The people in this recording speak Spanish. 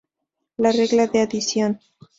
La regla de adición".